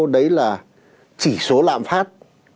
đấy là chỉ số lạm phát